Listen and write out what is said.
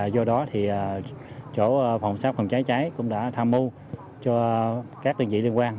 do đó thì chỗ phòng cháy chữa cháy cũng đã tham mưu cho các đơn vị liên quan